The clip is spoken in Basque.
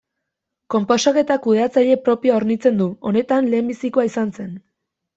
Konposaketa kudeatzaile propioa hornitzen du; honetan lehenbizikoa izan zen.